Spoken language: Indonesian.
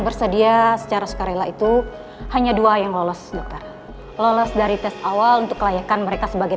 bersedia secara sukarela itu hanya dua yang lolos dokter lolos dari tes awal untuk kelayakan mereka sebagai